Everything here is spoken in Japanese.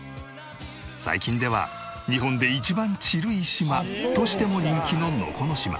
最近では日本で一番チルい島としても人気の能古島。